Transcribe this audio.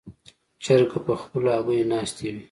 چرګه په خپلو هګیو ناستې وه.